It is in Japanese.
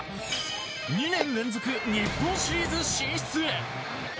２年連続日本シリーズ進出へ。